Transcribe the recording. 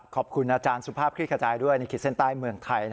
ขอบคุณอาจารย์สุภาพคลิกขจายด้วยในขีดเส้นใต้เมืองไทย